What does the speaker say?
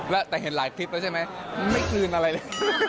แล้วแต่เห็นหลายคลิปแล้วใช่ไหมไม่คืนอะไรเลย